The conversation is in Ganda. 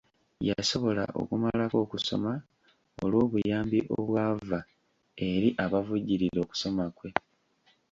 Yasobola okumalako okusoma olw'obuyambi obwava eri abavujjirira okusoma kwe.